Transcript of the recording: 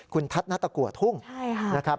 คุณทัศนตะกัวทุ่งนะครับ